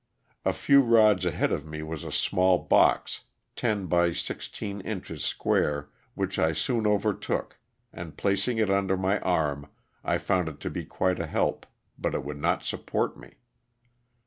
A few rods ahead of me was a small box, ten by sixteen inches square, which I soon overtook and placing it under my arm I found it to be quite a help, but it would not support me.